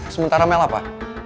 sementara mel apa